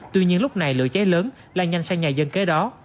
tuy nhiên lúc này lửa cháy lớn lan nhanh sang nhà dân kế đó